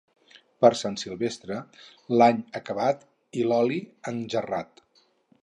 Per Sant Silvestre, l'any acabat i l'oli engerrat.